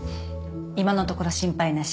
今のところ心配なし。